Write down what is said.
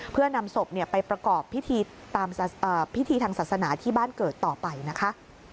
เพื่อนำศพไปประกอบพิธีตามพิธีทางศาสนาที่บ้านเกิดต่อไปนะคะ